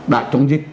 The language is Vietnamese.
đã chống dịch